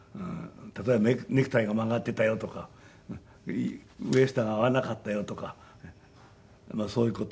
例えばネクタイが曲がっていたよとか上下が合わなかったよとかそういう事。